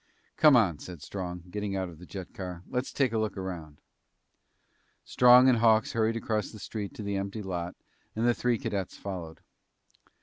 "Come on," said Strong, getting out of the jet car. "Let's take a look around." Strong and Hawks hurried across the street to the empty lot and the three cadets followed.